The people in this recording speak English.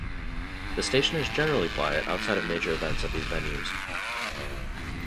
The station is generally quiet outside of major events at these venues.